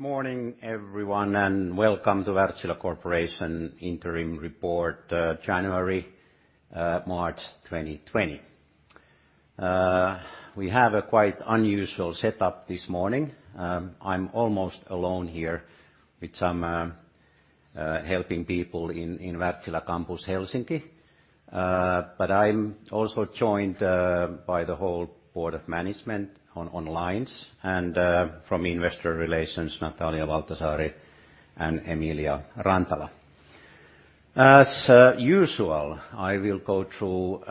Good morning, everyone, welcome to Wärtsilä Corporation interim report, January-March 2020. We have a quite unusual setup this morning. I'm almost alone here with some helping people in Wärtsilä Campus, Helsinki. I'm also joined by the whole board of management on lines, and from investor relations, Natalia Valtasaari and Emilia Rantala. As usual, I will go through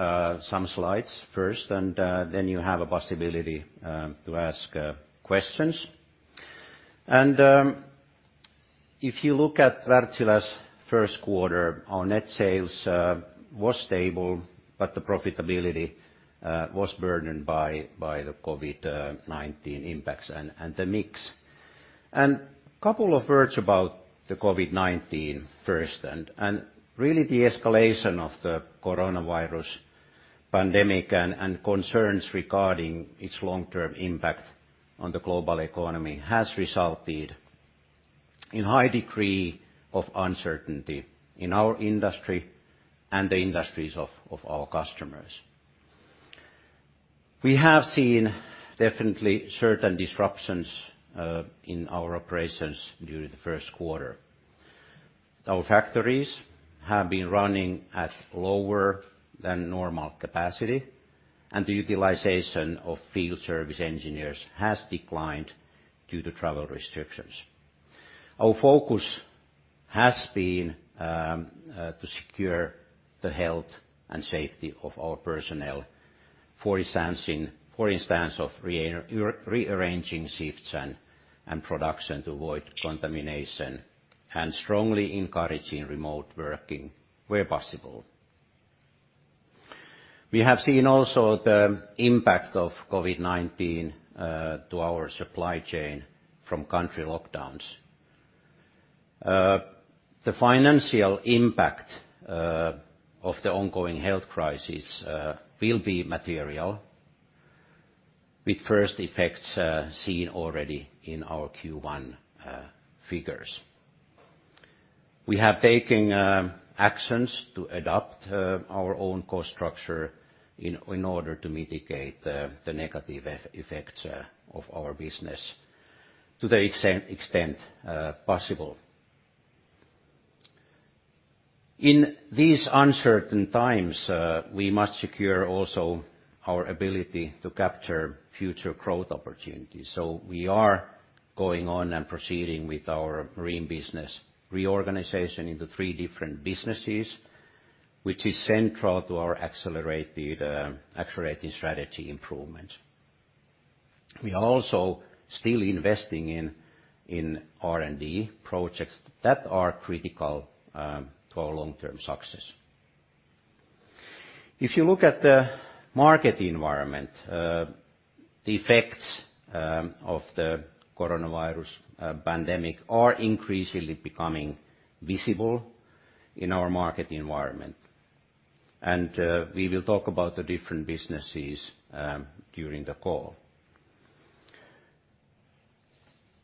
some slides first, and then you have a possibility to ask questions. If you look at Wärtsilä's first quarter, our net sales was stable, but the profitability was burdened by the COVID-19 impacts and the mix. Couple of words about the COVID-19 first. Really the escalation of the coronavirus pandemic and concerns regarding its long-term impact on the global economy has resulted in high degree of uncertainty in our industry and the industries of our customers. We have seen definitely certain disruptions in our operations during the first quarter. Our factories have been running at lower than normal capacity, and the utilization of field service engineers has declined due to travel restrictions. Our focus has been to secure the health and safety of our personnel, for instance of rearranging shifts and production to avoid contamination, and strongly encouraging remote working where possible. We have seen also the impact of COVID-19 to our supply chain from country lockdowns. The financial impact of the ongoing health crisis will be material with first effects seen already in our Q1 figures. We have taken actions to adapt our own cost structure in order to mitigate the negative effects of our business to the extent possible. In these uncertain times, we must secure also our ability to capture future growth opportunities. We are going on and proceeding with our marine business reorganization into three different businesses, which is central to our accelerated strategy improvement. We are also still investing in R&D projects that are critical to our long-term success. If you look at the market environment, the effects of the COVID-19 are increasingly becoming visible in our market environment. We will talk about the different businesses during the call.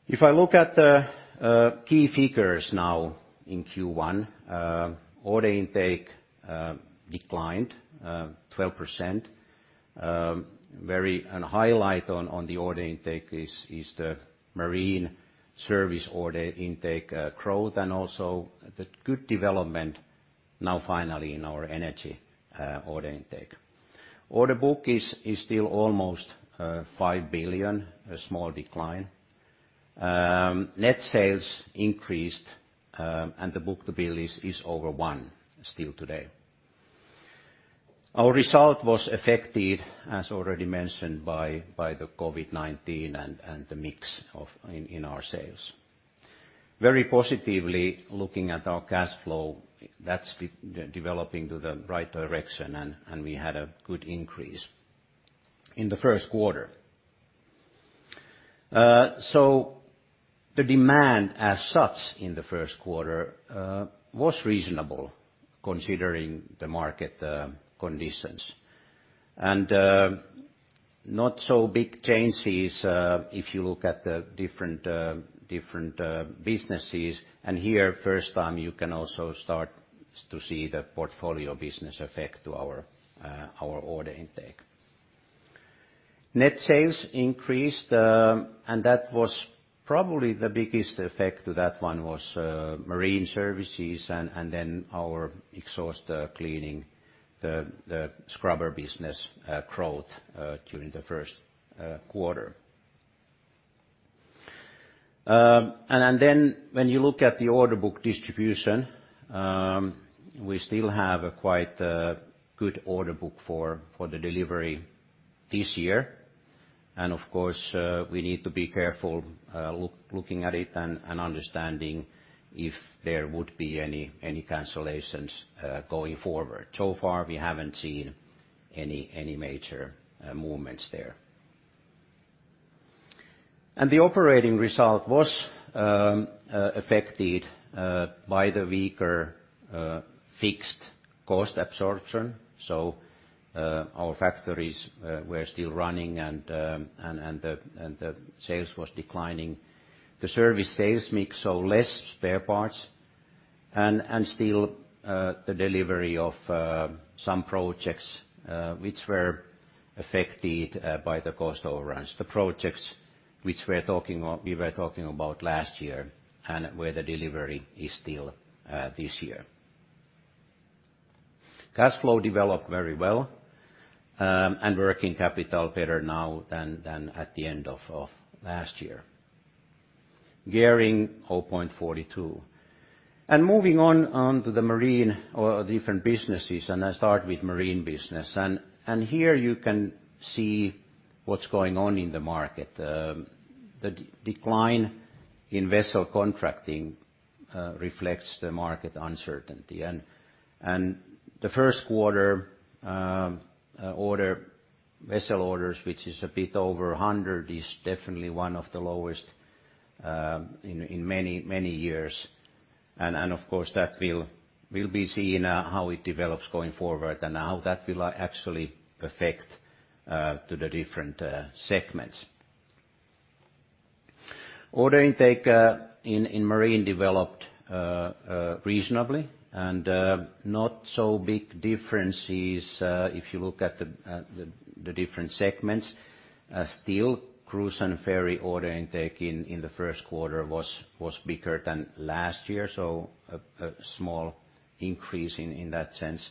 If I look at the key figures now in Q1, order intake declined 12%. Highlight on the order intake is the marine service order intake growth and also the good development now finally in our energy order intake. Order book is still almost 5 billion, a small decline. Net sales increased, and the book-to-bill is over one still today. Our result was affected, as already mentioned, by the COVID-19 and the mix in our sales. Very positively looking at our cash flow, that's developing to the right direction, and we had a good increase in the first quarter. The demand as such in the first quarter was reasonable considering the market conditions. Not so big changes if you look at the different businesses. Here, first time, you can also start to see the portfolio business effect to our order intake. Net sales increased, and that was probably the biggest effect to that one was marine services and then our exhaust cleaning, the scrubber business growth during the first quarter. Then when you look at the order book distribution, we still have a quite good order book for the delivery this year. Of course, we need to be careful looking at it and understanding if there would be any cancellations going forward. So far we haven't seen any major movements there. The operating result was affected by the weaker fixed-cost absorption. Our factories were still running and the sales were declining. The service sales mix, so less spare parts, and still the delivery of some projects, which were affected by the cost overruns. The projects which we were talking about last year, and where the delivery is still this year. Cash flow developed very well, and working capital better now than at the end of last year. Gearing 0.42. Moving on to the marine or different businesses, I start with marine business. Here you can see what's going on in the market. The decline in vessel contracting reflects the market uncertainty. The first quarter vessel orders, which is a bit over 100, is definitely one of the lowest in many years. Of course, we'll be seeing how it develops going forward and how that will actually affect to the different segments. Order intake in marine developed reasonably, and not so big differences if you look at the different segments. Still, cruise and ferry order intake in the first quarter was bigger than last year, so a small increase in that sense.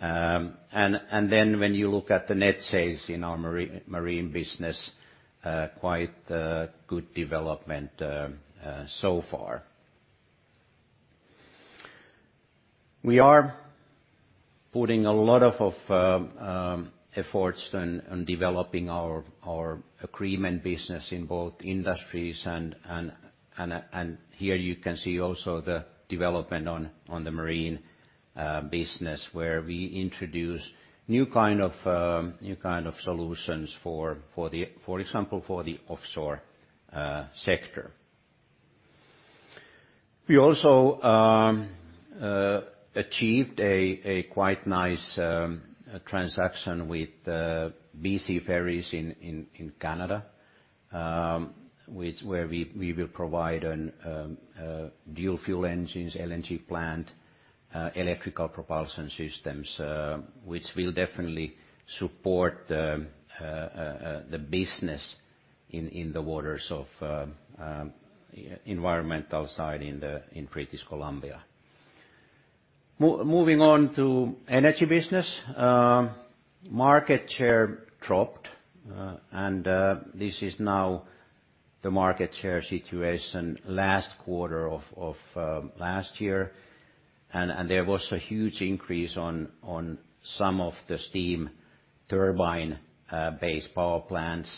When you look at the net sales in our marine business, quite good development so far. We are putting a lot of efforts on developing our agreement business in both industries, and here you can see also the development on the marine business, where we introduce new kind of solutions, for example, for the offshore sector. We also achieved a quite nice transaction with BC Ferries in Canada, where we will provide on dual fuel engines, LNG plant, electrical propulsion systems, which will definitely support the business in the waters of environmental side in British Columbia. Moving on to energy business. Market share dropped, and this is now the market share situation last quarter of last year, and there was a huge increase on some of the steam turbine-based power plants,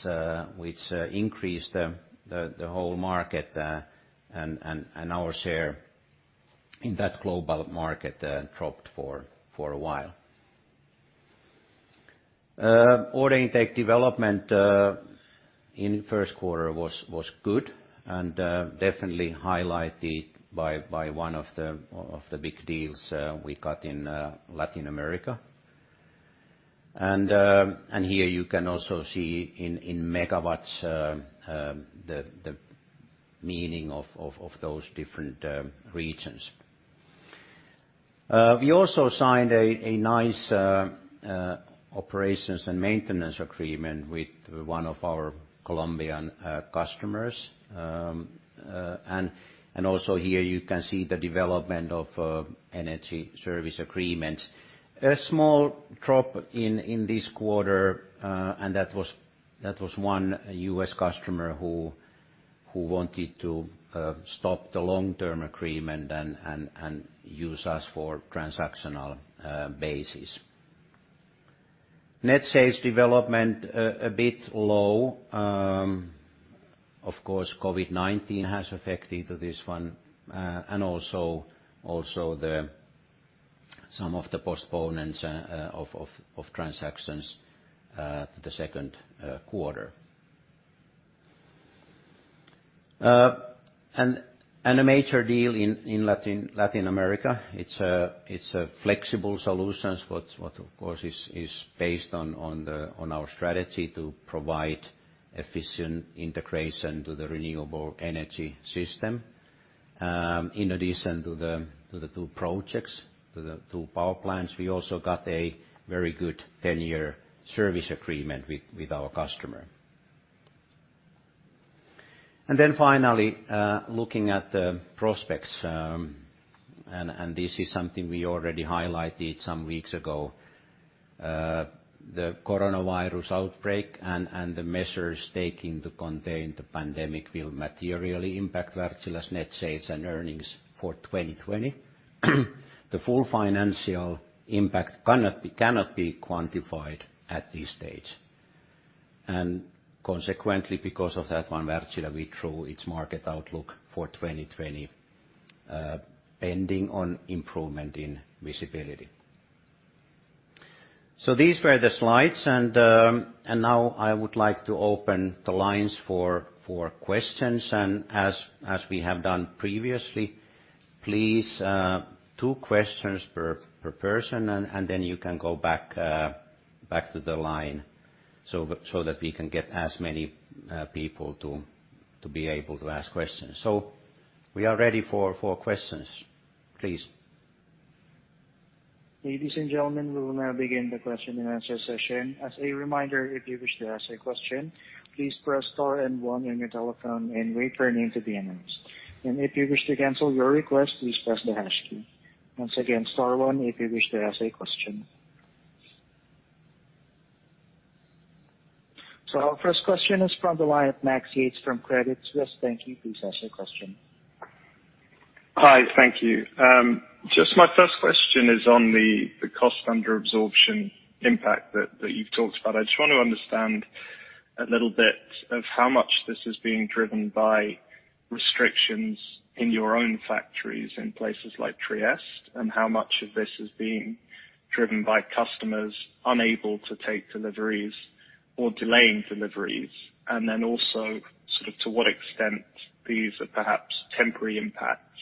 which increased the whole market, and our share in that global market dropped for a while. Order intake development in first quarter was good and definitely highlighted by one of the big deals we got in Latin America. Here you can also see in megawatts the meaning of those different regions. We also signed a nice operations and maintenance agreement with one of our Colombian customers. Also here you can see the development of energy service agreements. A small drop in this quarter, and that was one U.S. customer who wanted to stop the long-term agreement and use us for transactional basis. Net sales development, a bit low. Of course, COVID-19 has affected this one, and also some of the postponements of transactions to the second quarter. A major deal in Latin America. It's a flexible solutions, what of course is based on our strategy to provide efficient integration to the renewable energy system. In addition to the two projects, to the two power plants, we also got a very good 10-year service agreement with our customer. Finally, looking at the prospects, and this is something we already highlighted some weeks ago. The coronavirus outbreak and the measures taken to contain the pandemic will materially impact Wärtsilä's net sales and earnings for 2020. The full financial impact cannot be quantified at this stage. Consequently, because of that one, Wärtsilä withdrew its market outlook for 2020, pending on improvement in visibility. These were the slides. Now I would like to open the lines for questions. As we have done previously, please two questions per person, and then you can go back to the line so that we can get as many people to be able to ask questions. We are ready for questions. Please. Ladies and gentlemen, we will now begin the question and answer session. As a reminder, if you wish to ask a question, please press star and one on your telephone and wait for your name to be announced. If you wish to cancel your request, please press the hash key. Once again, star one if you wish to ask a question. Our first question is from the line of Max Yates from Credit Suisse. Thank you. Please ask your question. Hi. Thank you. My first question is on the cost under absorption impact that you've talked about. I just want to understand a little of how much this is being driven by restrictions in your own factories in places like Trieste, and how much of this is being driven by customers unable to take deliveries or delaying deliveries. Also to what extent these are perhaps temporary impacts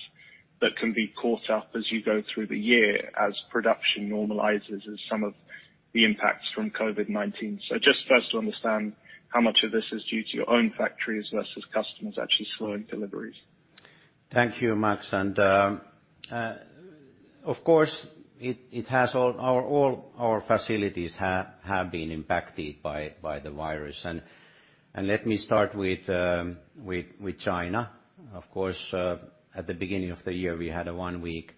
that can be caught up as you go through the year, as production normalizes, as some of the impacts from COVID-19. Just first to understand how much of this is due to your own factories versus customers actually slowing deliveries. Thank you, Max. Of course, all our facilities have been impacted by the virus. Let me start with China. Of course, at the beginning of the year, we had a one-week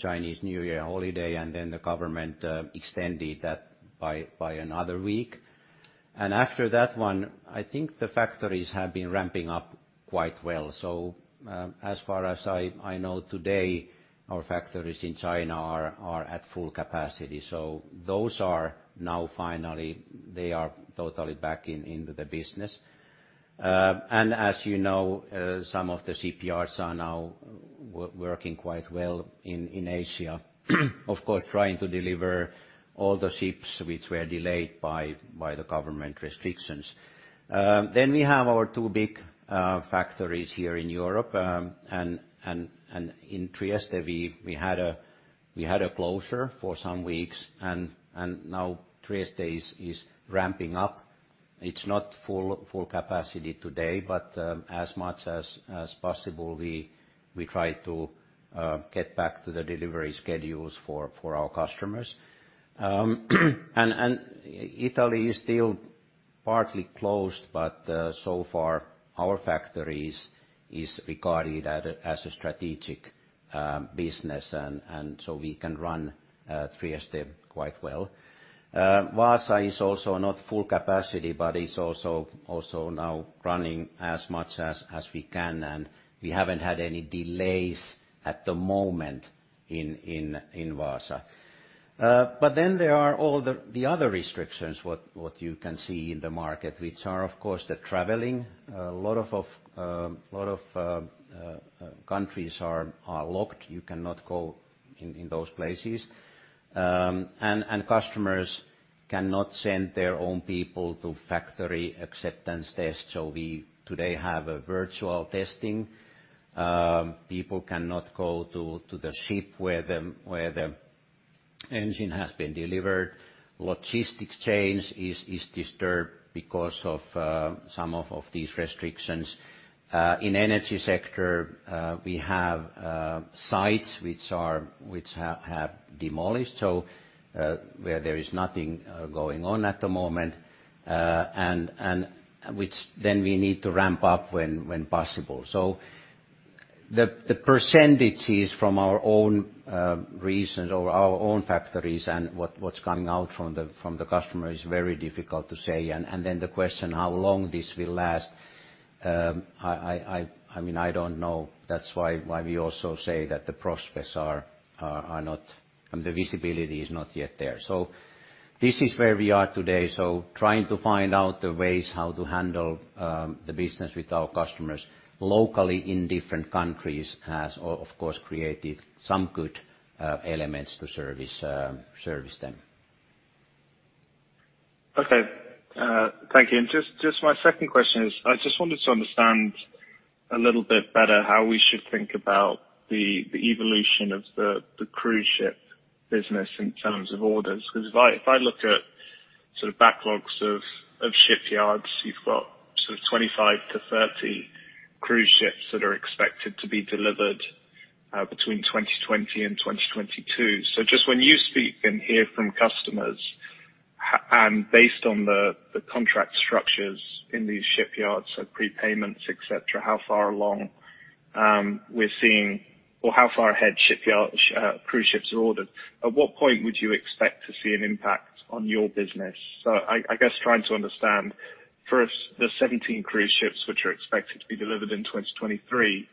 Chinese New Year holiday, then the government extended that by another week. After that one, I think the factories have been ramping up quite well. As far as I know, today, our factories in China are at full capacity. Those are now finally totally back into the business. As you know, some of the ports are now working quite well in Asia. Of course, trying to deliver all the ships which were delayed by the government restrictions. We have our two big factories here in Europe, and in Trieste we had a closure for some weeks and now Trieste is ramping up. It's not full capacity today, but as much as possible, we try to get back to the delivery schedules for our customers. Italy is still partly closed, but so far our factories is regarded as a strategic business, and so we can run Trieste quite well. Vaasa is also not full capacity, but is also now running as much as we can, and we haven't had any delays at the moment in Vaasa. There are all the other restrictions what you can see in the market, which are, of course, the traveling. A lot of countries are locked. You cannot go in those places. Customers cannot send their own people to factory acceptance tests, so we today have a virtual testing. People cannot go to the ship where the engine has been delivered. Logistics chain is disturbed because of some of these restrictions. In energy sector, we have sites which have demolished, where there is nothing going on at the moment, which we need to ramp up when possible. The percentages from our own reasons or our own factories and what's coming out from the customer is very difficult to say. The question, how long this will last, I don't know. That's why we also say that the visibility is not yet there. This is where we are today. Trying to find out the ways how to handle the business with our customers locally in different countries has of course, created some good elements to service them. Okay. Thank you. Just my second question is, I just wanted to understand a little bit better how we should think about the evolution of the cruise ship business in terms of orders. If I look at backlogs of shipyards, you've got 25-30 cruise ships that are expected to be delivered between 2020 and 2022. Just when you speak and hear from customers, and based on the contract structures in these shipyards, so prepayments, et cetera. How far along we're seeing or how far ahead cruise ships are ordered, at what point would you expect to see an impact on your business? I guess trying to understand, first, the 17 cruise ships which are expected to be delivered in 2023.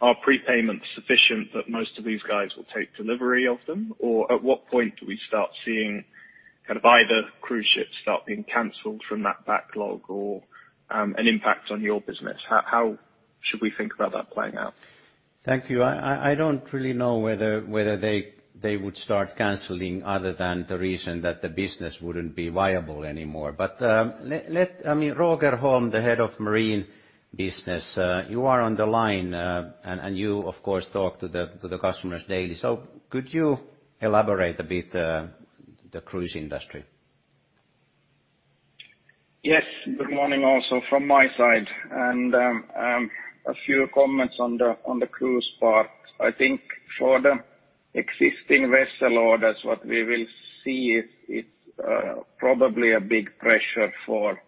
Are prepayments sufficient that most of these guys will take delivery of them? At what point do we start seeing either cruise ships start being canceled from that backlog or an impact on your business? How should we think about that playing out? Thank you. I don't really know whether they would start canceling other than the reason that the business wouldn't be viable anymore. Roger Holm, the head of marine business, you are on the line, and you, of course, talk to the customers daily. Could you elaborate a bit the cruise industry? Yes. Good morning also from my side. A few comments on the cruise part. I think for the existing vessel orders, what we will see is probably a big pressure for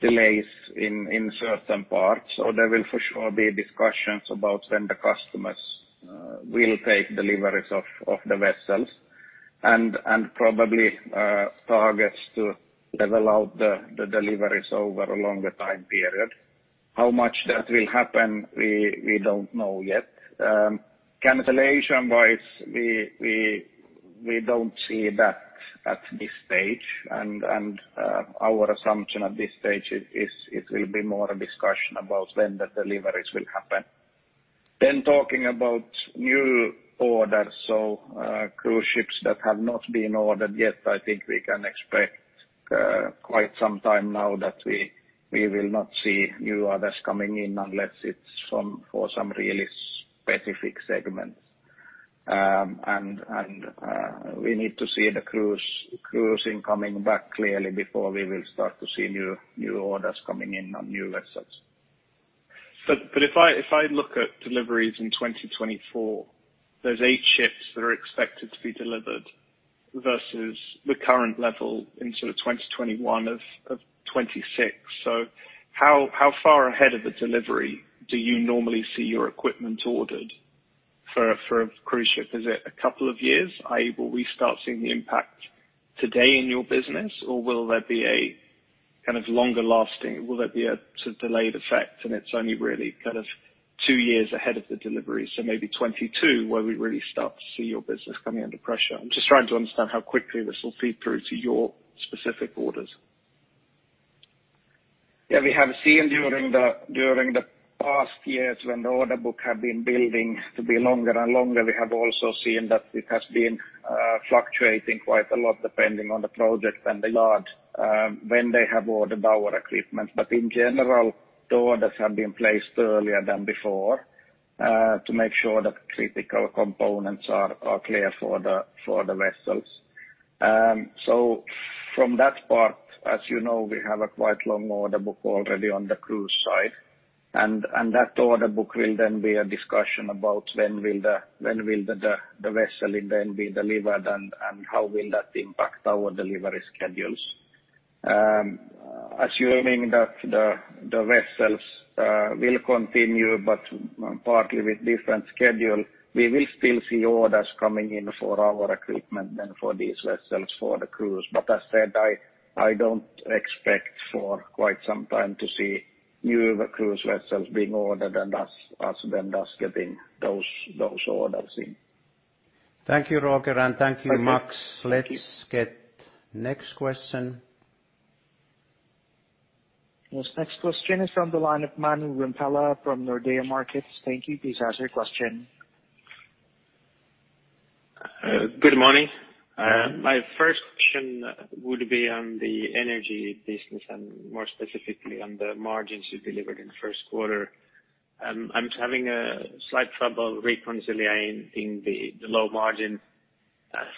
delays in certain parts. There will for sure be discussions about when the customers will take deliveries of the vessels and probably targets to level out the deliveries over a longer time period. How much that will happen, we don't know yet. Cancellation-wise, we don't see that at this stage, and our assumption at this stage is it will be more a discussion about when the deliveries will happen. Talking about new orders, so cruise ships that have not been ordered yet, I think we can expect quite some time now that we will not see new orders coming in unless it's for some really specific segments. We need to see the cruising coming back clearly before we will start to see new orders coming in on new vessels. If I look at deliveries in 2024, there's eight ships that are expected to be delivered versus the current level in sort of 2021 of 2026. How far ahead of the delivery do you normally see your equipment ordered for a cruise ship? Is it a couple of years? Will we start seeing the impact today in your business, or will there be a kind of longer lasting, a sort of delayed effect and it's only really kind of two years ahead of the delivery, so maybe 2022 where we really start to see your business coming under pressure? I'm just trying to understand how quickly this will feed through to your specific orders. We have seen during the past years when the order book have been building to be longer and longer, we have also seen that it has been fluctuating quite a lot depending on the project and the yard, when they have ordered our equipment. In general, the orders have been placed earlier than before, to make sure that critical components are clear for the vessels. From that part, as you know, we have a quite long order book already on the cruise side. That order book will then be a discussion about when will the vessel then be delivered and how will that impact our delivery schedules. Assuming that the vessels will continue, but partly with different schedule, we will still see orders coming in for our equipment than for these vessels for the cruise. As said, I don't expect for quite some time to see new cruise vessels being ordered and us then thus getting those orders in. Thank you, Roger, and thank you, Max. Let's get next question. Yes, next question is from the line of Manu Rimpelä from Nordea Markets. Thank you. Please ask your question. Good morning. My first question would be on the energy business and more specifically on the margins you delivered in the first quarter. I'm having a slight trouble reconciling the low margin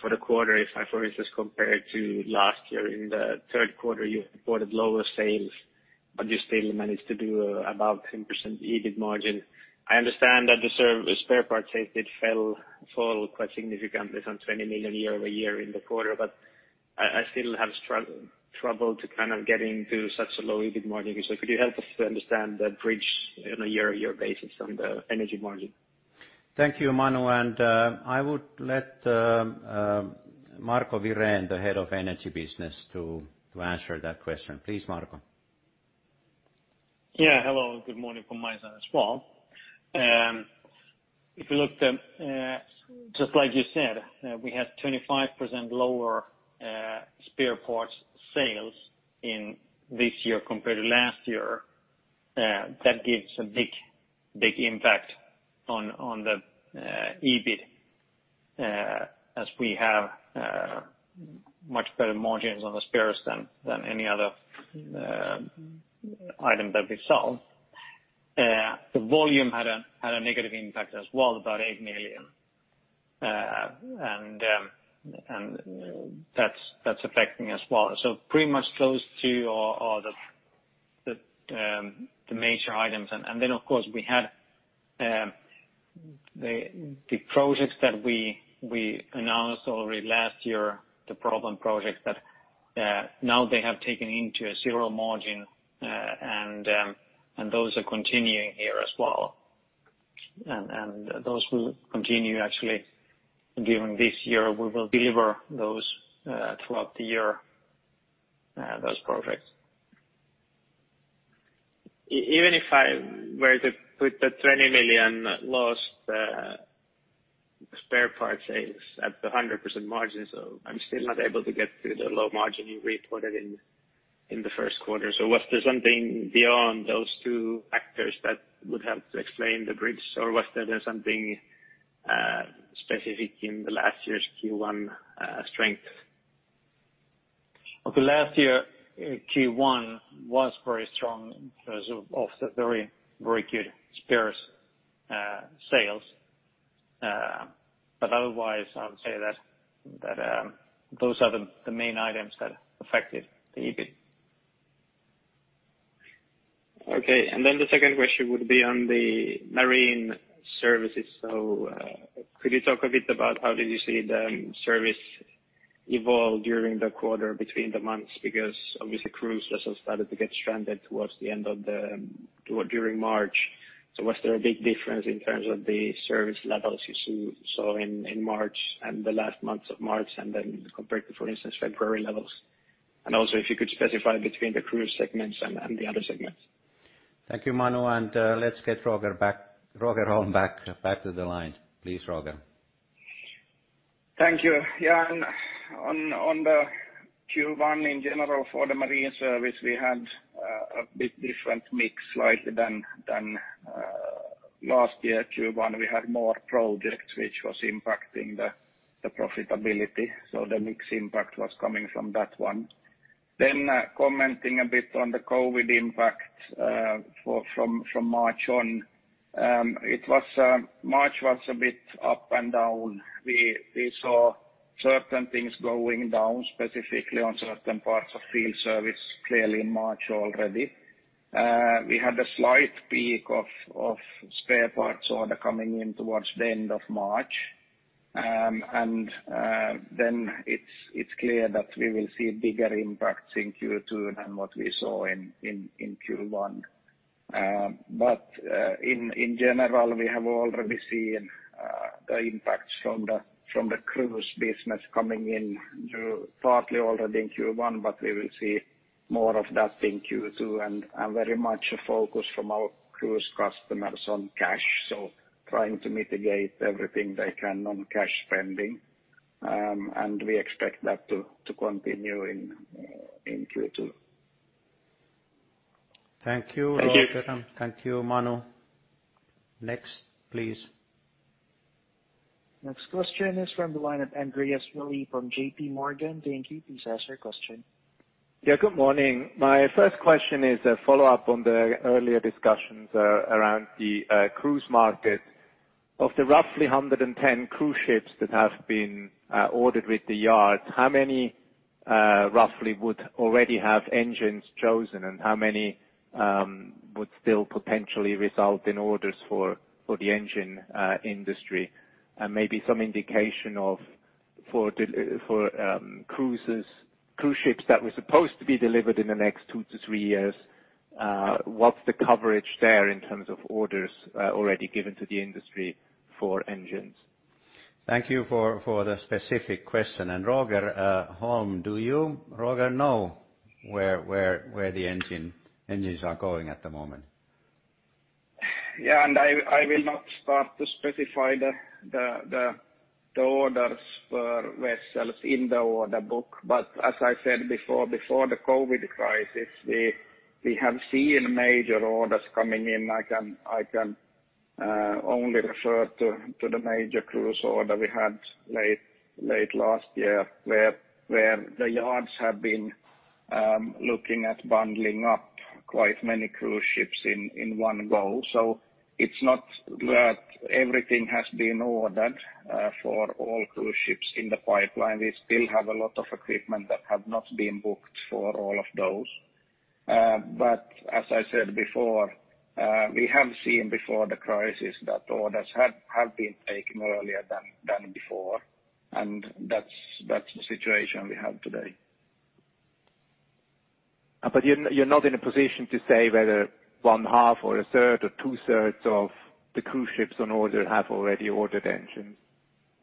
for the quarter. If I, for instance, compare it to last year in the third quarter, you reported lower sales, but you still managed to do above 10% EBIT margin. I understand that the spare parts sales did fall quite significantly, some 20 million year-over-year in the quarter, but I still have trouble to kind of getting to such a low EBIT margin. Could you help us to understand the bridge on a year-over-year basis on the energy margin? Thank you, Manu. I would let Marco Wirén, the Head of Energy Business, to answer that question. Please, Marco. Hello, good morning from my side as well. If you looked at, just like you said, we had 25% lower spare parts sales in this year compared to last year. That gives a big impact on the EBIT, as we have much better margins on the spares than any other item that we sell. The volume had a negative impact as well, about 8 million. That's affecting as well. Pretty much those two are the major items. Then of course we had the projects that we announced already last year, the problem projects that now they have taken into a zero margin, and those are continuing here as well. Those will continue actually during this year. We will deliver those throughout the year, those projects. Even if I were to put the 20 million loss parts sales at the 100% margin, I'm still not able to get to the low margin you reported in the first quarter. Was there something beyond those two factors that would help to explain the bridge, or was there something specific in the last year's Q1 strength? Okay, last year, Q1 was very strong because of the very good spares sales. Otherwise, I would say that those are the main items that affected the EBIT. Okay. Then the second question would be on the marine services. Could you talk a bit about how did you see the service evolve during the quarter between the months? Because obviously crews just have started to get stranded during March. Was there a big difference in terms of the service levels you saw in March and the last months of March, then compared to, for instance, February levels? Also if you could specify between the cruise segments and the other segments. Thank you, Manu. Let's get Roger back. Roger Holm back to the line. Please, Roger. Thank you. Yeah. On the Q1 in general for the marine service, we had a bit different mix slightly than last year Q1. We had more projects, which was impacting the profitability. The mix impact was coming from that one. Commenting a bit on the COVID impact from March on. March was a bit up and down. We saw certain things going down specifically on certain parts of field service, clearly in March already. We had a slight peak of spare parts order coming in towards the end of March. It's clear that we will see bigger impacts in Q2 than what we saw in Q1. In general, we have already seen the impacts from the cruise business coming in through partly already in Q1, but we will see more of that in Q2, and very much a focus from our cruise customers on cash. Trying to mitigate everything they can on cash spending. We expect that to continue in Q2. Thank you, Roger. Thank you. Thank you, Manu. Next, please. Next question is from the line of Andreas Willi from JPMorgan. Thank you. Please ask your question. Good morning. My first question is a follow-up on the earlier discussions around the cruise market. Of the roughly 110 cruise ships that have been ordered with the yard, how many roughly would already have engines chosen, and how many would still potentially result in orders for the engine industry? Maybe some indication of, for cruise ships that were supposed to be delivered in the next two to three years, what's the coverage there in terms of orders already given to the industry for engines? Thank you for the specific question. Roger Holm, do you, Roger, know where the engines are going at the moment? Yeah, I will not start to specify the orders for vessels in the order book. As I said before the COVID crisis, we have seen major orders coming in. I can only refer to the major cruise order we had late last year where the yards have been looking at bundling up quite many cruise ships in one go. It's not that everything has been ordered for all cruise ships in the pipeline. We still have a lot of equipment that have not been booked for all of those. As I said before, we have seen before the crisis that orders have been taken earlier than before, and that's the situation we have today. You're not in a position to say whether one half or a third or two-thirds of the cruise ships on order have already ordered engines,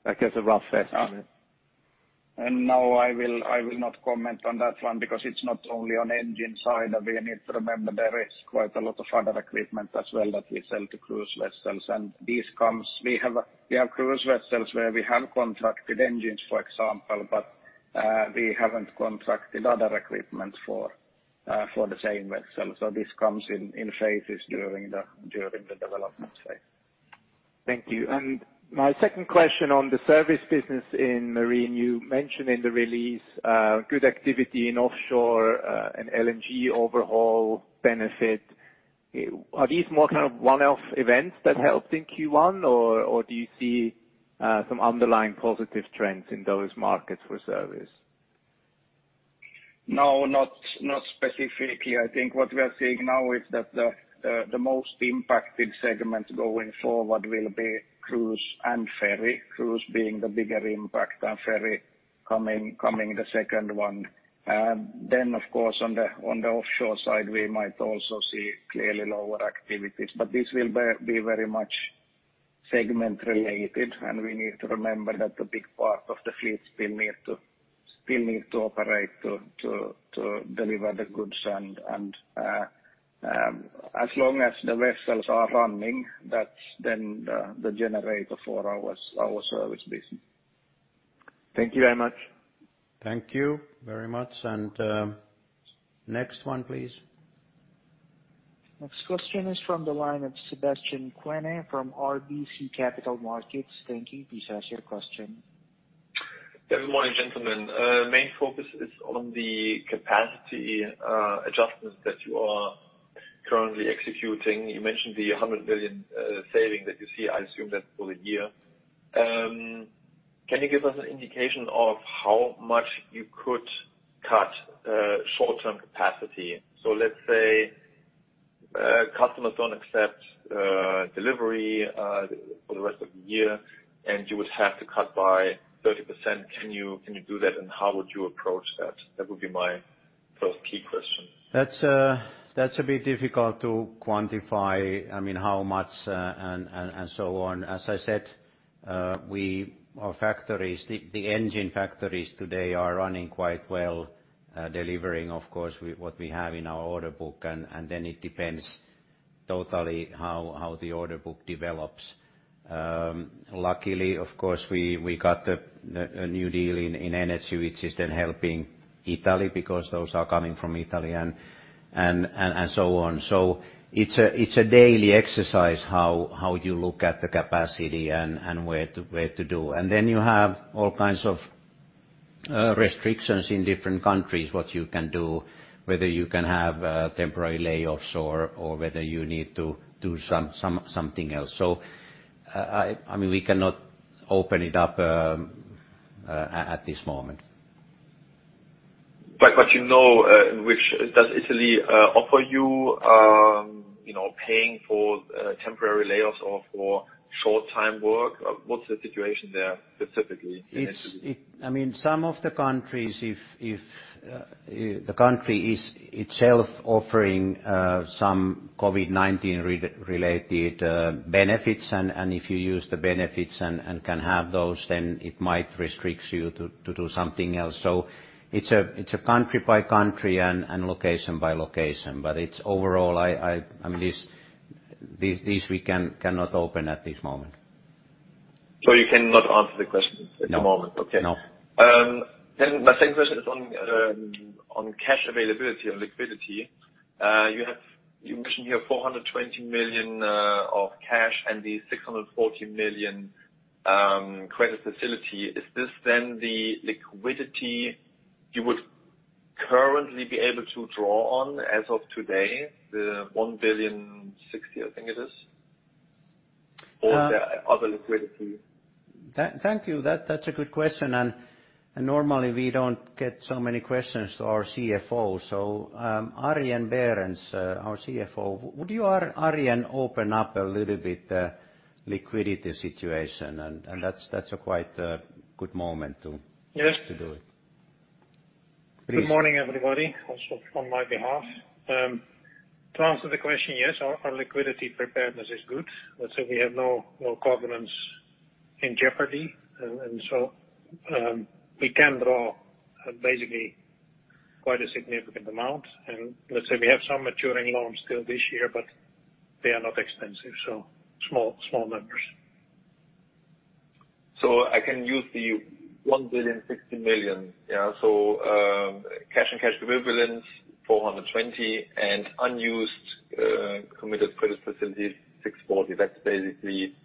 like as a rough estimate? No, I will not comment on that one because it's not only on engine side. We need to remember there is quite a lot of other equipment as well that we sell to cruise vessels. We have cruise vessels where we have contracted engines, for example, but we haven't contracted other equipment for the same vessel. This comes in phases during the development phase. Thank you. My second question on the service business in marine, you mentioned in the release, good activity in offshore, and LNG overhaul benefit. Are these more kind of one-off events that helped in Q1 or do you see some underlying positive trends in those markets for service? No, not specifically. I think what we are seeing now is that the most impacted segment going forward will be cruise and ferry. Cruise being the bigger impact and ferry coming the second one. Then of course on the offshore side we might also see clearly lower activities. This will be very much segment related and we need to remember that a big part of the fleet still need to operate to deliver the goods. As long as the vessels are running, that's then the generator for our service business. Thank you very much. Thank you very much. Next one, please. Next question is from the line of Sebastian Kuenne from RBC Capital Markets. Thank you. Please ask your question. Good morning, gentlemen. Main focus is on the capacity adjustments that you are currently executing. You mentioned the 100 million saving that you see. I assume that's for the year. Can you give us an indication of how much you could cut short-term capacity? Let's say customers don't accept delivery for the rest of the year, and you would have to cut by 30%. Can you do that, and how would you approach that? That would be my first key question. That's a bit difficult to quantify. I mean, how much and so on. As I said, the engine factories today are running quite well, delivering, of course, what we have in our order book. It depends totally how the order book develops. Luckily, of course, we got a new deal in energy, which is then helping Italy, because those are coming from Italy and so on. It's a daily exercise how you look at the capacity and where to do. You have all kinds of restrictions in different countries, what you can do, whether you can have temporary layoffs or whether you need to do something else. I mean, we cannot open it up at this moment. What you know, does Italy offer you paying for temporary layoffs or for short time work? What's the situation there specifically in Italy? I mean, some of the countries, if the country is itself offering some COVID-19 related benefits, if you use the benefits and can have those, it might restrict you to do something else. It's a country by country and location by location. It's overall, this we cannot open at this moment. You cannot answer the question at the moment? No. My second question is on cash availability and liquidity. You mentioned you have 420 million of cash and the 640 million credit facility. Is this the liquidity you would currently be able to draw on as of today, the 1 billion, 60 million, I think it is? Is there other liquidity? Thank you. That's a good question. Normally we don't get so many questions to our CFO. Arjen Berends, our CFO, would you, Arjen, open up a little bit the liquidity situation? That's a quite good moment. Yes to do it. Please. Good morning, everybody. Also from my behalf. To answer the question, yes, our liquidity preparedness is good. Let's say we have no covenants in jeopardy, and so we can draw basically quite a significant amount. Let's say we have some maturing loans still this year, but they are not expensive, small numbers. I can use the 1,060 million. Cash and cash equivalents 420 and unused committed credit facilities 640. That's basically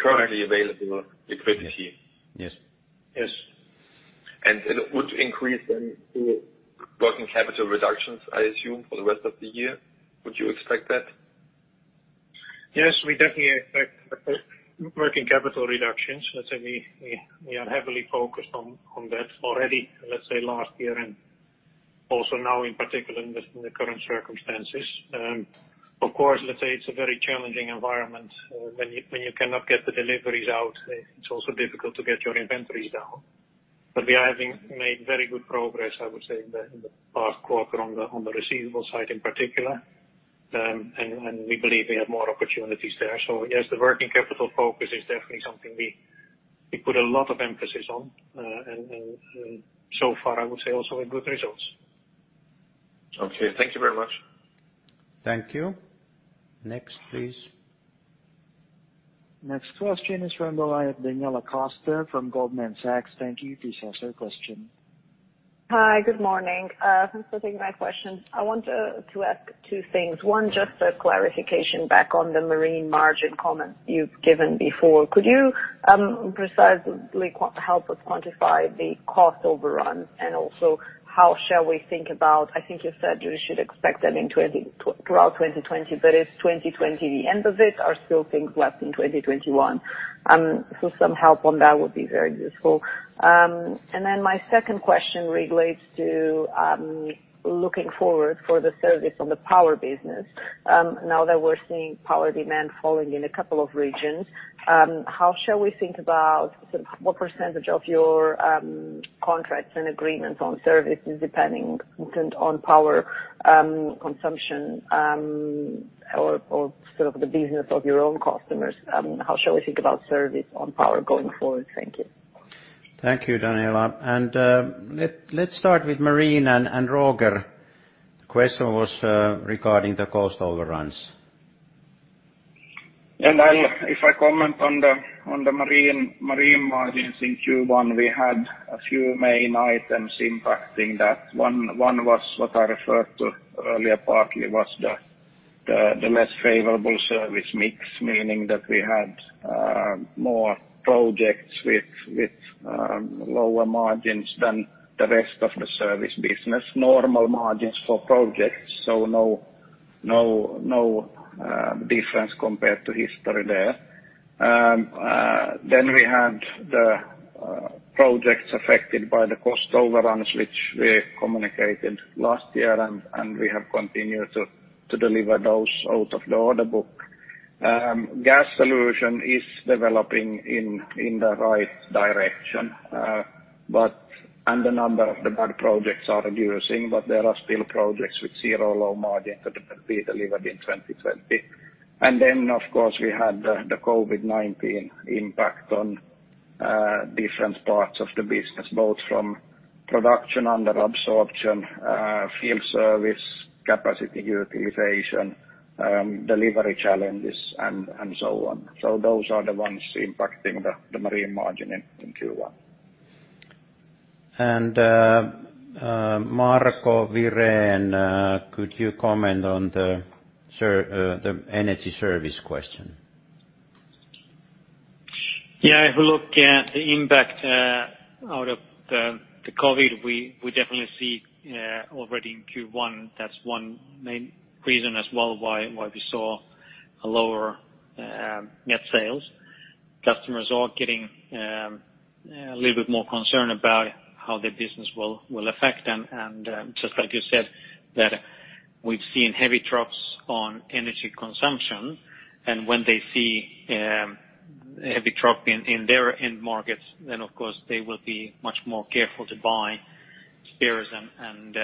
currently available liquidity. Yes. Yes. It would increase then the working capital reductions, I assume, for the rest of the year. Would you expect that? Yes, we definitely expect working capital reductions. We are heavily focused on that already, last year and also now in particular in the current circumstances. Of course, it's a very challenging environment when you cannot get the deliveries out, it's also difficult to get your inventories down. We are having made very good progress, I would say, in the past quarter on the receivable side in particular. We believe we have more opportunities there. Yes, the working capital focus is definitely something we put a lot of emphasis on. So far, I would say also with good results. Okay. Thank you very much. Thank you. Next, please. Next question is from the line of Daniela Costa from Goldman Sachs. Thank you. Please ask your question. Hi. Good morning. Thanks for taking my question. I want to ask two things. One, just a clarification back on the marine margin comments you've given before. Could you precisely help us quantify the cost overruns, and also how shall we think about I think you said we should expect them throughout 2020, but is 2020 the end of it, or still things left in 2021? Some help on that would be very useful. My second question relates to looking forward for the service on the power business. Now that we're seeing power demand falling in a couple of regions, how shall we think about what percentage of your contracts and agreements on services depending on power consumption or sort of the business of your own customers? How shall we think about service on power going forward? Thank you. Thank you, Daniela. Let's start with marine and Roger. The question was regarding the cost overruns. If I comment on the marine margins in Q1, we had a few main items impacting that. One was what I referred to earlier, partly was the less favorable service mix, meaning that we had more projects with lower margins than the rest of the service business. Normal margins for projects, no difference compared to history there. We had the projects affected by the cost overruns, which we communicated last year, we have continued to deliver those out of the order book. Gas solution is developing in the right direction, the number of the bad projects are reducing, there are still projects with zero or low margin to be delivered in 2020. Of course, we had the COVID-19 impact on different parts of the business, both from production under absorption, field service, capacity utilization, delivery challenges, and so on. Those are the ones impacting the marine margin in Q1. Marco Wirén, could you comment on the energy service question? If you look at the impact out of the COVID-19, we definitely see already in Q1, that's one main reason as well why we saw a lower net sales. Customers are getting a little bit more concerned about how their business will affect them. Just like you said, that we've seen heavy drops on energy consumption, when they see a heavy drop in their end markets, of course they will be much more careful to buy spares and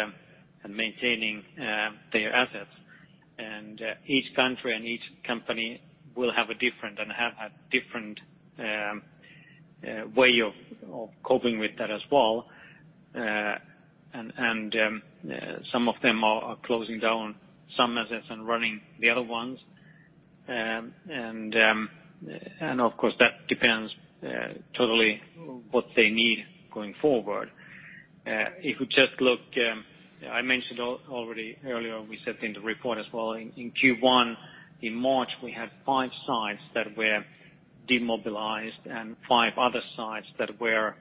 maintaining their assets. Each country and each company will have a different way of coping with that as well. Some of them are closing down some assets and running the other ones. Of course, that depends totally what they need going forward. If you just look, I mentioned already earlier, we said in the report as well, in Q1, in March, we had five sites that were demobilized and five other sites that were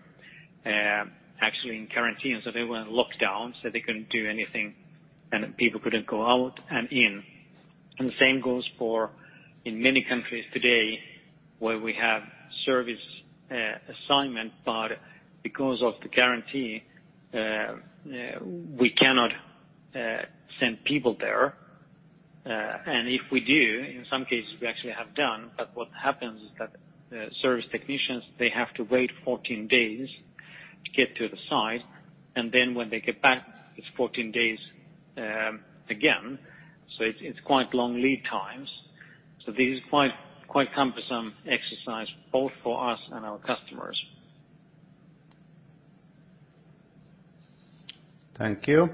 actually in quarantine. They were in lockdown, so they couldn't do anything, and people couldn't go out and in. The same goes for in many countries today where we have service assignment, but because of the quarantine, we cannot send people there. If we do, in some cases, we actually have done, but what happens is that the service technicians, they have to wait 14 days to get to the site, and then when they get back, it's 14 days again. It's quite long lead times. This is quite cumbersome exercise, both for us and our customers. Thank you.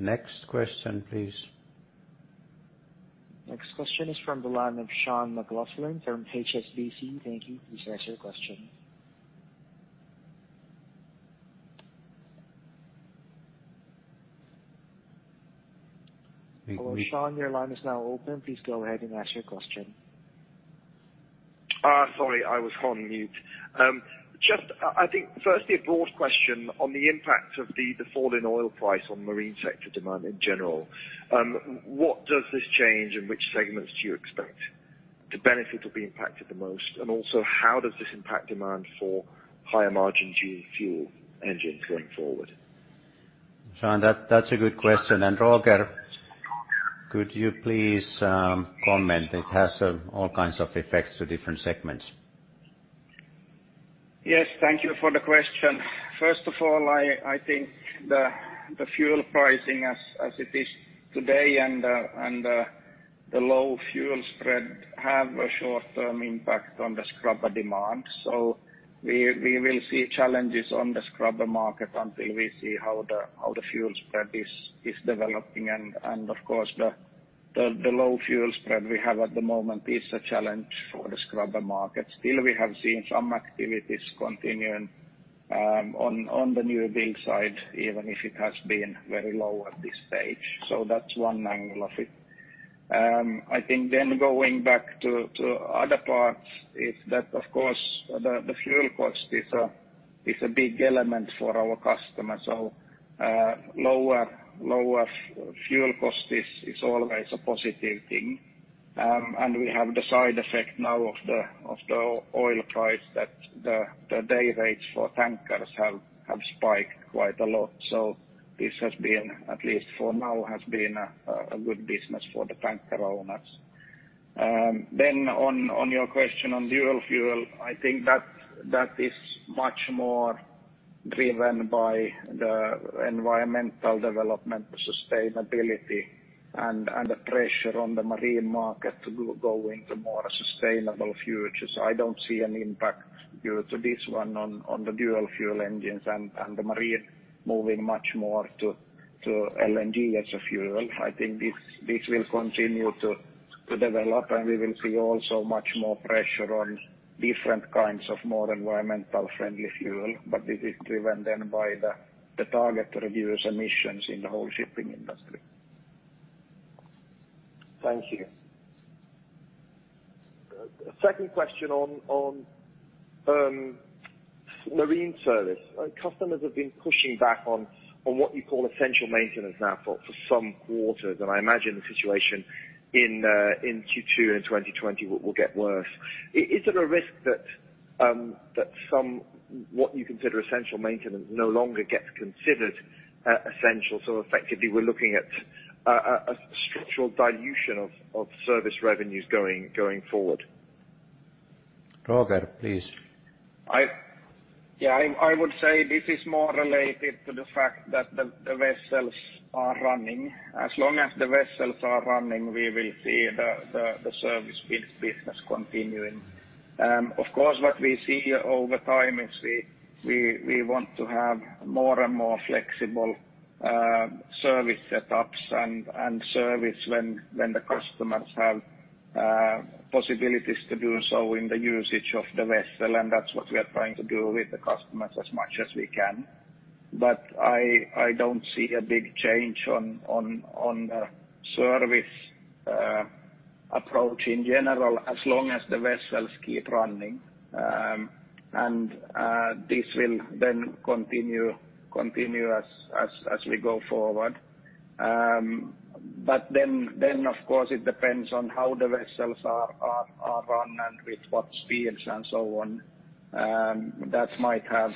Next question, please. Next question is from the line of Sean McLoughlin from HSBC. Thank you. Please ask your question. Hello, Sean, your line is now open. Please go ahead and ask your question. Sorry, I was on mute. I think firstly, a broad question on the impact of the fall in oil price on marine sector demand in general. What does this change and which segments do you expect to benefit or be impacted the most? Also, how does this impact demand for higher margin dual fuel engines going forward? Sean, that's a good question. Roger, could you please comment? It has all kinds of effects to different segments. Yes. Thank you for the question. First of all, I think the fuel pricing as it is today and the low fuel spread have a short-term impact on the scrubber demand. We will see challenges on the scrubber market until we see how the fuel spread is developing. Of course, the low fuel spread we have at the moment is a challenge for the scrubber market. Still, we have seen some activities continuing on the newbuild side, even if it has been very low at this stage. That's one angle of it. I think going back to other parts is that, of course, the fuel cost is a big element for our customers. Lower fuel cost is always a positive thing. We have the side effect now of the oil price that the day rates for tankers have spiked quite a lot. This, at least for now, has been a good business for the tanker owners. On your question on dual fuel, I think that is much more driven by the environmental development sustainability. And the pressure on the marine market to go into more sustainable future. I don't see an impact due to this one on the dual fuel engines and the marine moving much more to LNG as a fuel. I think this will continue to develop, and we will see also much more pressure on different kinds of more environmental friendly fuel. This is driven then by the target to reduce emissions in the whole shipping industry. Thank you. Second question on marine service. Customers have been pushing back on what you call essential maintenance now for some quarters. I imagine the situation in Q2 in 2020 will get worse. Is it a risk that some, what you consider essential maintenance, no longer gets considered essential? Effectively, we're looking at a structural dilution of service revenues going forward. Roger, please. Yeah. I would say this is more related to the fact that the vessels are running. As long as the vessels are running, we will see the service business continuing. Of course, what we see over time is we want to have more and more flexible service setups and service when the customers have possibilities to do so in the usage of the vessel. That's what we are trying to do with the customers as much as we can. I don't see a big change on the service approach in general, as long as the vessels keep running. This will then continue as we go forward. Of course, it depends on how the vessels are run and with what speeds and so on. That might have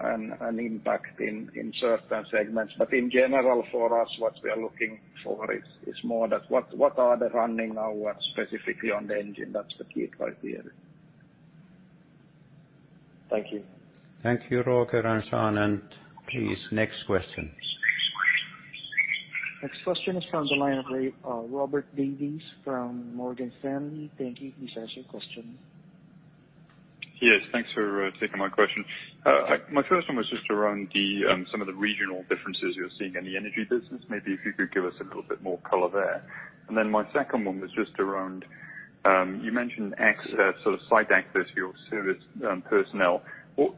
an impact in certain segments. In general, for us, what we are looking for is more that what are they running now, specifically on the engine. That's the key criteria. Thank you. Thank you, Roger and Sean, please, next question. Next question is from the line of Robert Davies from Morgan Stanley. Thank you. Please ask your question. Yes, thanks for taking my question. My first one was just around some of the regional differences you're seeing in the energy business. Maybe if you could give us a little bit more color there. My second one was just around, you mentioned access, sort of site access to your service personnel. Is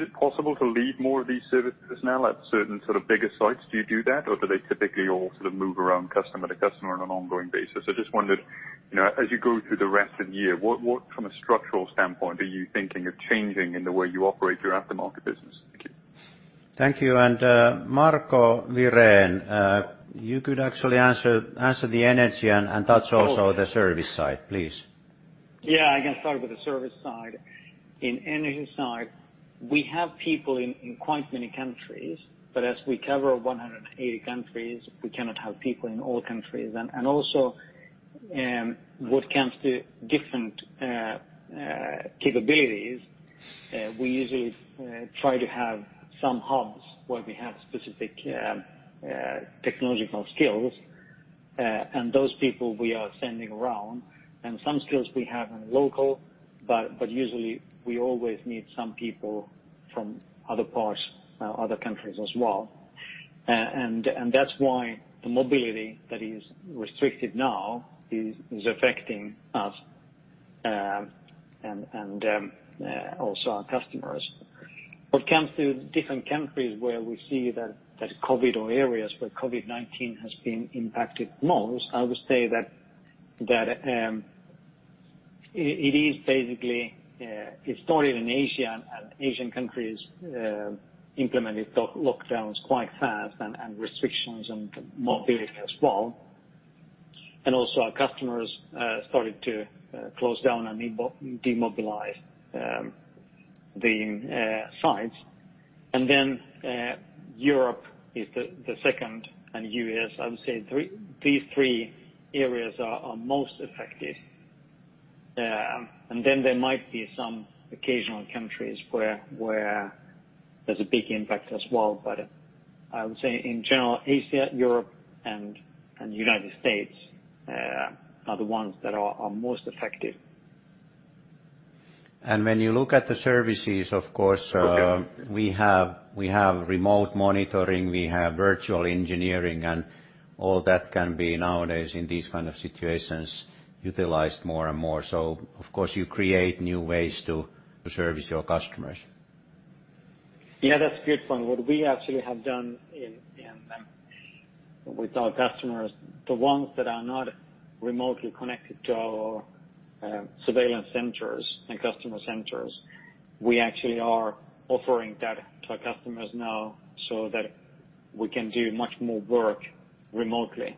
it possible to leave more of these service personnel at certain sort of bigger sites? Do you do that, or do they typically all sort of move around customer to customer on an ongoing basis? I just wondered, as you go through the rest of the year, what from a structural standpoint, are you thinking of changing in the way you operate your aftermarket business? Thank you. Thank you. Marco Wirén, you could actually answer the energy and touch also the service side, please. Yeah, I can start with the service side. In energy side, we have people in quite many countries, but as we cover 180 countries, we cannot have people in all countries. Also, what comes to different capabilities, we usually try to have some hubs where we have specific technological skills, and those people we are sending around, and some skills we have in local, but usually, we always need some people from other parts, other countries as well. That's why the mobility that is restricted now is affecting us, and also our customers. What comes to different countries where we see that COVID, or areas where COVID-19 has been impacted most, I would say that it started in Asia, and Asian countries implemented lockdowns quite fast and restrictions on mobility as well. Also our customers started to close down and demobilize the sites. Europe is the second, and U.S. I would say these three areas are most affected. There might be some occasional countries where there's a big impact as well. I would say in general, Asia, Europe, and United States are the ones that are most affected. When you look at the services, of course. Okay we have remote monitoring, we have virtual engineering, and all that can be nowadays in these kind of situations, utilized more and more. Of course, you create new ways to service your customers. Yeah, that's a good point. What we actually have done with our customers, the ones that are not remotely connected to our surveillance centers and customer centers, we actually are offering that to our customers now so that we can do much more work remotely.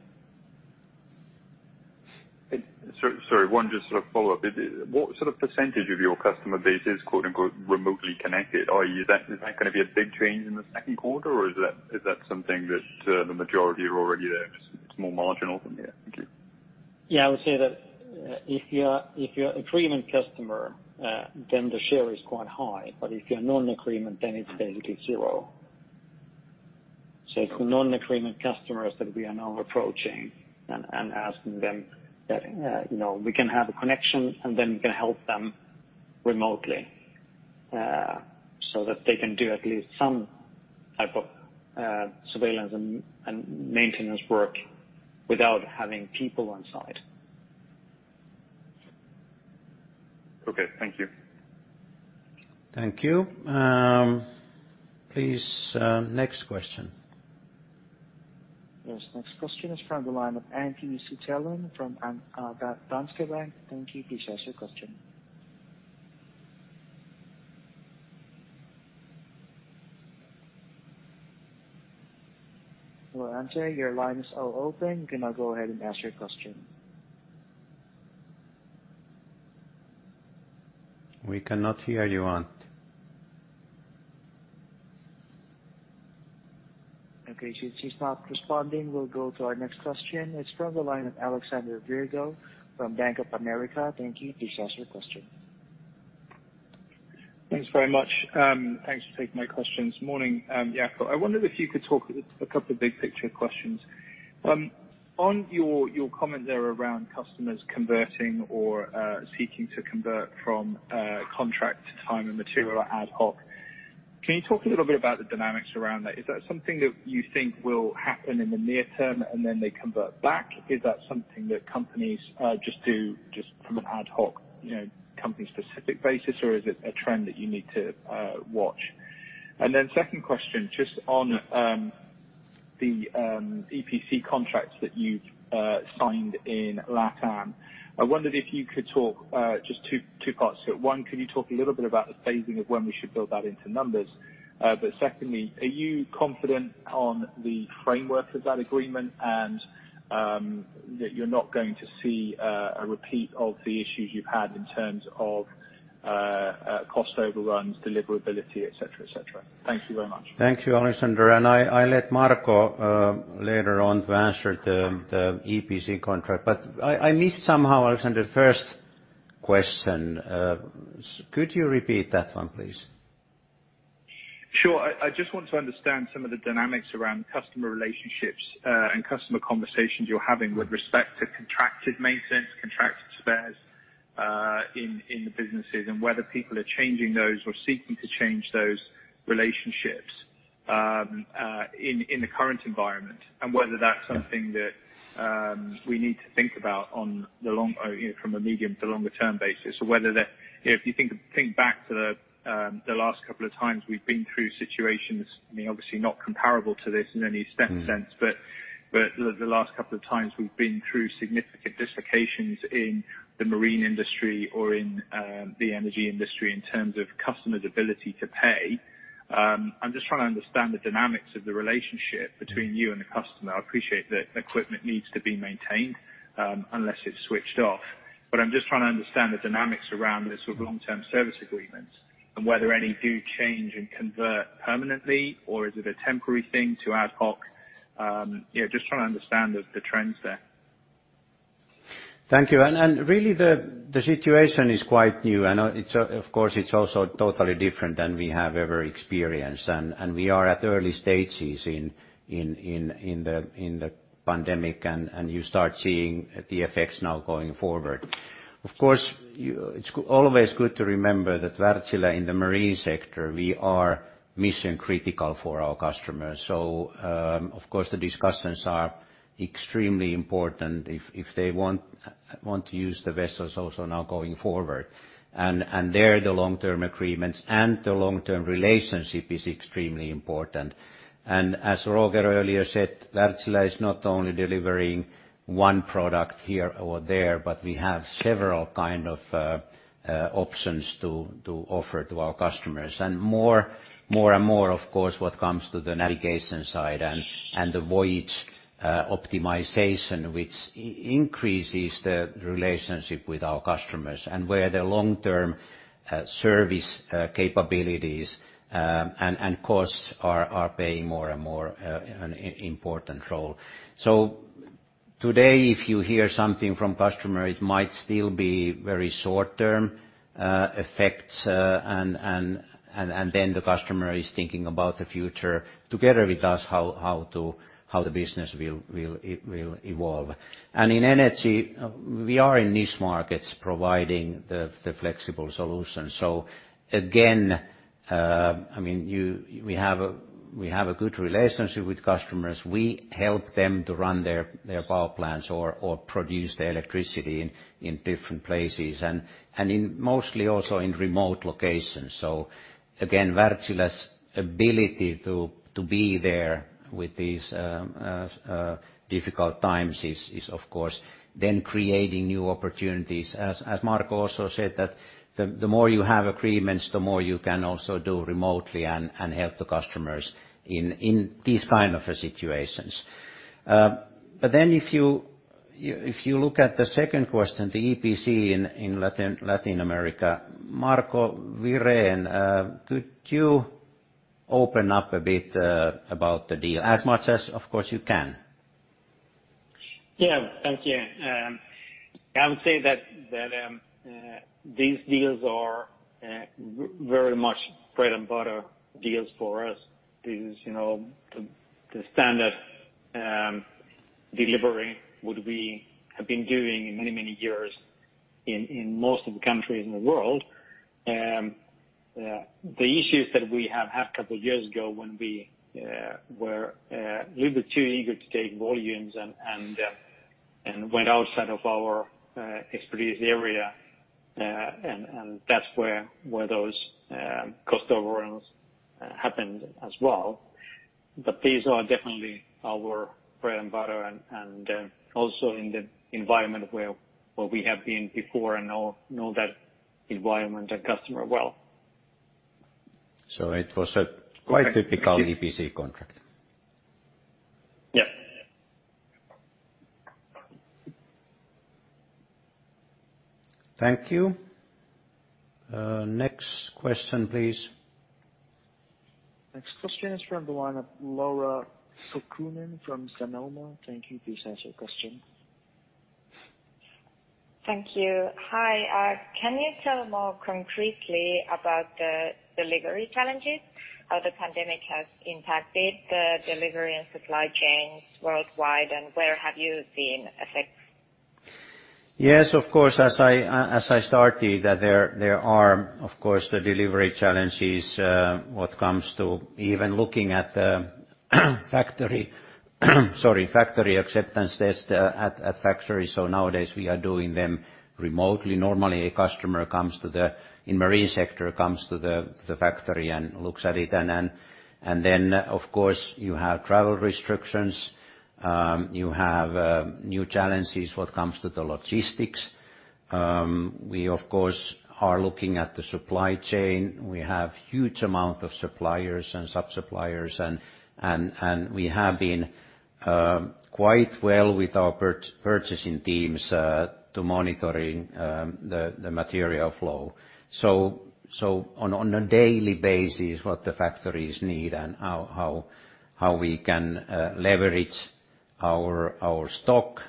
Sorry, one just sort of follow-up. What sort of percentage of your customer base isremotely connected? Is that going to be a big change in the second quarter, or is that something that the majority are already there, small marginal then? Yeah, thank you. I would say that if you're an agreement customer, then the share is quite high, but if you're non-agreement, then it's basically zero. For non-agreement customers that we are now approaching and asking them that we can have a connection, and then we can help them remotely, so that they can do at least some type of surveillance and maintenance work without having people on site. Okay. Thank you. Thank you. Please, next question. Yes, next question is from the line of Antti Suttelin from Danske Bank. Ante, please ask your question. Hello, Ante, your line is now open. You can now go ahead and ask your question. We cannot hear you, Antti. Okay, since he's not responding, we'll go to our next question. It's from the line of Alexander Virgo from Bank of America. Thank you. Please ask your question. Thanks very much. Thanks for taking my questions. Morning, Jaakko. I wondered if you could talk a couple of big picture questions. On your comment there around customers converting or seeking to convert from contract to time and material ad hoc, can you talk a little bit about the dynamics around that? Is that something that you think will happen in the near term, and then they convert back? Is that something that companies just do from an ad hoc company specific basis, or is it a trend that you need to watch? Then second question, just on the EPC contracts that you've signed in LATAM. I wondered if you could talk just two parts. One, can you talk a little bit about the phasing of when we should build that into numbers? Secondly, are you confident on the framework of that agreement and that you're not going to see a repeat of the issues you've had in terms of cost overruns, deliverability, et cetera? Thank you very much. Thank you, Alexander. I let Marco later on to answer the EPC contract. I missed somehow, Alexander, first question. Could you repeat that one, please? Sure. I just want to understand some of the dynamics around customer relationships and customer conversations you're having with respect to contracted maintenance, contracted spares, in the businesses and whether people are changing those or seeking to change those relationships in the current environment and whether that's something that we need to think about from a medium to longer term basis, or whether if you think back to the last couple of times we've been through situations, obviously not comparable to this in any sense. The last couple of times we've been through significant dislocations in the marine industry or in the energy industry in terms of customers' ability to pay. I'm just trying to understand the dynamics of the relationship between you and the customer. I appreciate that equipment needs to be maintained, unless it's switched off. I'm just trying to understand the dynamics around this with long-term service agreements and whether any do change and convert permanently, or is it a temporary thing to ad hoc? Just trying to understand the trends there. Thank you. Really the situation is quite new, and of course, it's also totally different than we have ever experienced. We are at early stages in the pandemic, and you start seeing the effects now going forward. Of course, it's always good to remember that Wärtsilä in the marine sector, we are mission-critical for our customers. Of course, the discussions are extremely important if they want to use the vessels also now going forward. There, the long-term agreements and the long-term relationship is extremely important. As Roger earlier said, Wärtsilä is not only delivering one product here or there, but we have several kind of options to offer to our customers. More and more, of course, what comes to the navigation side and the voyage optimization, which increases the relationship with our customers and where the long-term service capabilities and costs are playing more and more an important role. Today, if you hear something from customer, it might still be very short-term effects, then the customer is thinking about the future together with us, how the business will evolve. In energy, we are in these markets providing the flexible solution. Again, we have a good relationship with customers. We help them to run their power plants or produce the electricity in different places, and in mostly also in remote locations. Again, Wärtsilä's ability to be there with these difficult times is of course then creating new opportunities. As Marco also said that the more you have agreements, the more you can also do remotely and help the customers in these kind of situations. If you look at the second question, the EPC in Latin America, Marco Wirén, Open up a bit about the deal, as much as, of course, you can. Thank you. I would say that these deals are very much bread-and-butter deals for us. These, the standard delivery what we have been doing in many years in most of the countries in the world. The issues that we have had couple years ago when we were a little too eager to take volumes and went outside of our expertise area. That's where those cost overruns happened as well. These are definitely our bread and butter. Also in the environment where we have been before and know that environment and customer well. It was a quite typical EPC contract. Yeah. Thank you. Next question, please. Next question is from the line of Laura Kukkonen from Sanoma. Thank you. Please ask your question. Thank you. Hi. Can you tell more concretely about the delivery challenges, how the pandemic has impacted the delivery and supply chains worldwide, and where have you seen effects? Yes, of course, as I started, that there are, of course, the delivery challenges, what comes to even looking at the factory acceptance test at factory. Nowadays we are doing them remotely. Normally, a customer, in marine sector, comes to the factory and looks at it. Of course, you have travel restrictions. You have new challenges when it comes to logistics. We, of course, are looking at the supply chain. We have huge amount of suppliers and sub-suppliers, and we have been quite well with our purchasing teams to monitoring the material flow. On a daily basis what the factories need and how we can leverage our stock,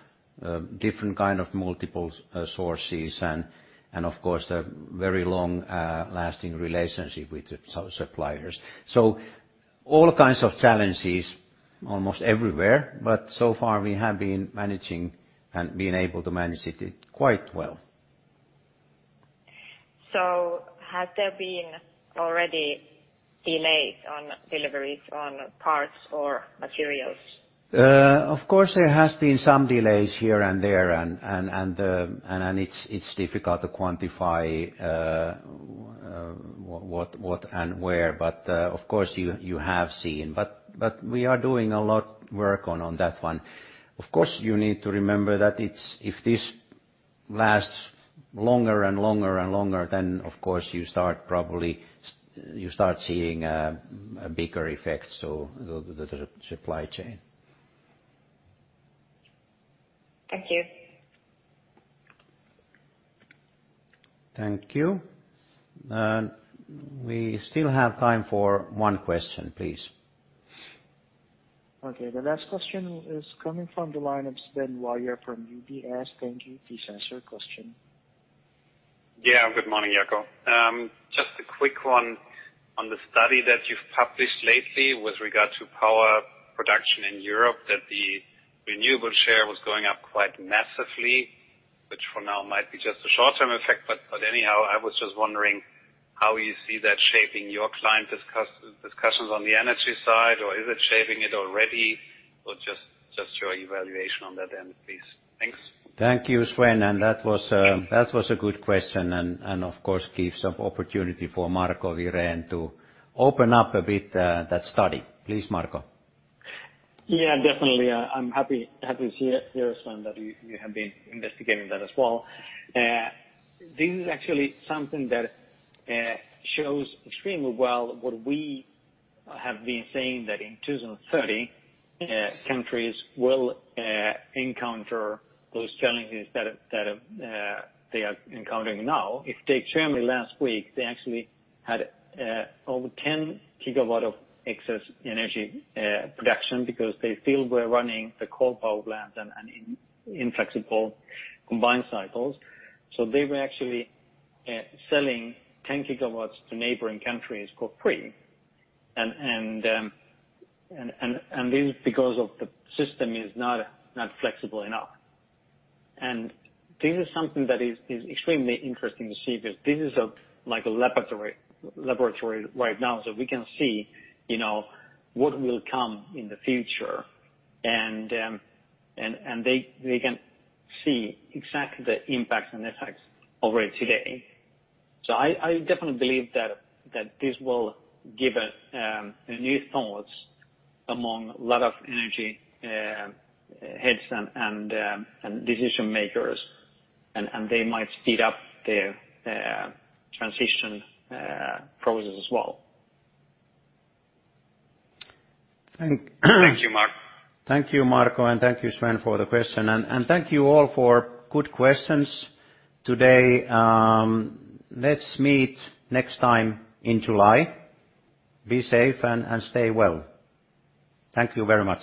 different kind of multiple sources and, of course, the very long-lasting relationship with the suppliers. All kinds of challenges almost everywhere, but so far we have been managing and been able to manage it quite well. Has there been already delays on deliveries on parts or materials? Of course, there has been some delays here and there, and it is difficult to quantify what and where, but, of course, you have seen. We are doing a lot work on that one. Of course, you need to remember that if this lasts longer and longer, then of course, you start seeing a bigger effect to the supply chain. Thank you. Thank you. We still have time for one question, please. Okay. The last question is coming from the line of Sven Weier from UBS. Thank you. Please ask your question. Yeah. Good morning, Jaakko. Just a quick one on the study that you've published lately with regard to power production in Europe, that the renewable share was going up quite massively, which for now might be just a short-term effect. Anyhow, I was just wondering how you see that shaping your client discussions on the energy side, or is it shaping it already? Just your evaluation on that end, please. Thanks. Thank you, Sven, and that was a good question and, of course, gives some opportunity for Marco Wirén to open up a bit that study. Please, Marco. Yeah, definitely. I'm happy to hear, Sven, that you have been investigating that as well. This is actually something that shows extremely well what we have been saying, that in 2030, countries will encounter those challenges that they are encountering now. If you take Germany last week, they actually had over 10 GW of excess energy production because they still were running the coal power plants and inflexible combined cycles. They were actually selling 10 GW to neighboring countries for free, and this is because of the system is not flexible enough. This is something that is extremely interesting to see because this is like a laboratory right now, so we can see what will come in the future. They can see exactly the impacts and effects already today. I definitely believe that this will give new thoughts among lot of energy heads and decision makers, and they might speed up the transition process as well. Thank you, Marco. Thank you, Marco, and thank you, Sven, for the question. Thank you all for good questions today. Let's meet next time in July. Be safe and stay well. Thank you very much.